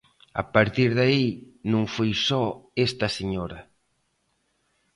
A partir de aí, non foi só esta señora.